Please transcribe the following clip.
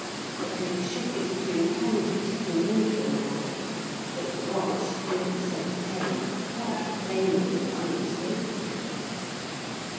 And he shook it to encourage it to think over the matter. But the watch still said 'ten' quite plainly and unmistakably.